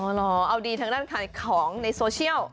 เหรอเอาดีทางด้านขายของในโซเชียล